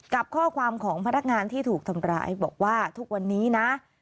กับข้อความของพนักงานที่ถูกทำร้ายบอกว่าทุกวันนี้นะ